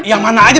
yang mana aja